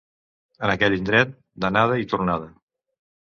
En aquell indret, d'anada i tornada.